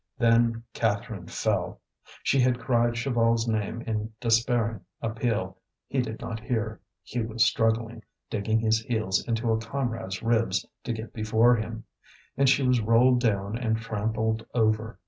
Then Catherine fell. She had cried Chaval's name in despairing appeal. He did not hear; he was struggling, digging his heels into a comrade's ribs to get before him. And she was rolled down and trampled over.